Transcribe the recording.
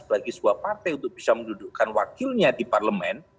bagi sebuah partai untuk bisa mendudukkan wakilnya di parlemen